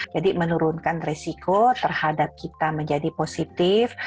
jadi menurunkan resiko terhadap kita menjadi positif